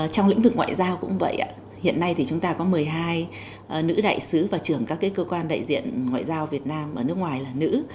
trong lĩnh vực ngoại giao cũng vậy hiện nay thì chúng ta có một mươi hai nữ đại sứ và trưởng các cơ quan đại diện ngoại giao việt nam ở nước ngoài là nữ